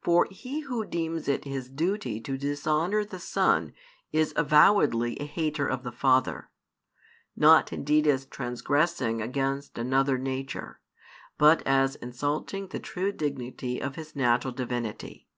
For he who deems it his duty to dishonour the Son is avowedly a hater of the Father; not indeed as transgressing against another nature, but as insulting the true dignity of His natural Divinity.